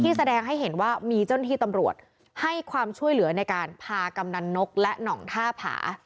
แสดงให้เห็นว่ามีเจ้าหน้าที่ตำรวจให้ความช่วยเหลือในการพากำนันนกและหน่องท่าผา